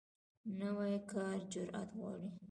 نوی کار جرئت غواړي